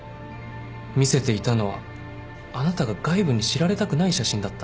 見せていたのはあなたが外部に知られたくない写真だったんじゃ？